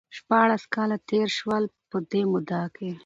شپاړس کاله تېر شول ،په دې موده کې